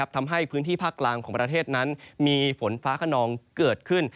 ทำให้พื้นที่ภาคกลางของประเทศนั้นมีฝนฟ้าขนองเกิดขึ้น